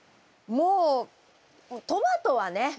もうトマトはね